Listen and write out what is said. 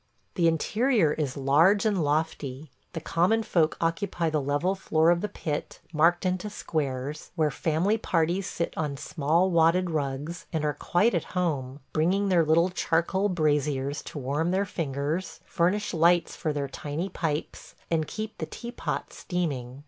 ... The interior is large and lofty. The common folk occupy the level floor of the pit, marked into squares, where family parties sit on small wadded rugs, and are quite at home, bringing their little charcoal braziers to warm their fingers, furnish lights for their tiny pipes, and keep the teapot steaming.